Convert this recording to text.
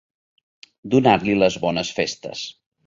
Donar-li les bones festes.